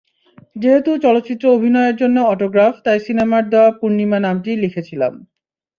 যেহেতু চলচ্চিত্রে অভিনয়ের জন্য অটোগ্রাফ, তাই সিনেমার দেওয়া পূর্ণিমা নামটিই লিখেছিলাম।